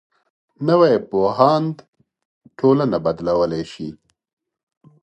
نوی پوهاند ټولنه بدلولی شي